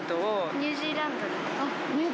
ニュージーランド？